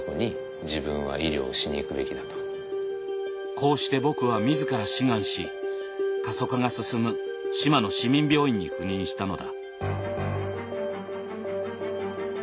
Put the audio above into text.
こうして僕は自ら志願し過疎化が進む志摩の市民病院に赴任したのだ。